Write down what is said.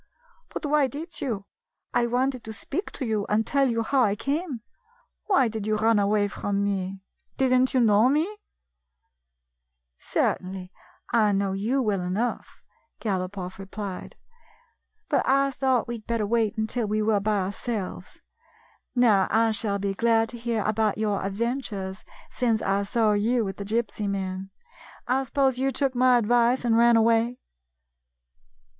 "But why did you? I wanted to speak to you and to tell you how I came. Why did you run away from me ? Did n't you know me ?"" Certainly, I knew you well enough," Gal opoff replied ;" but I thought we 'd better wait until we were by ourselves. Now, I shall be glad to hear about your adventures since I saw 75 GYPSY, THE TALKING DOG you with the Gypsy men. I suppose you took my advice and ran away